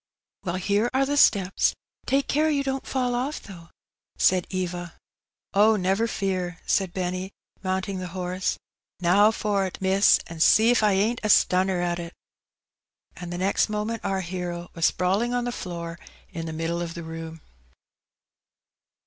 "Well, here are the steps; take care you don't fall ofi^, though," said Eva. '• Oh, never fear," said Benny, mounting the horse. " Now for't, miss, an' see if I ain't a stunner at it !" And the next moment our hero was sprawUng on the floor in the middle of the room.